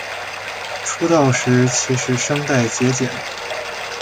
出道时其实声带结茧。